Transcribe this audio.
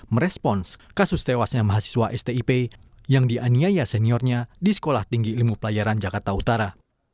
merespons kasus tewasnya mahasiswa stip yang dianiaya seniornya di sekolah tinggi ilmu pelayaran jakarta utara